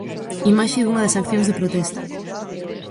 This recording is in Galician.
Imaxe dunha das accións de protesta.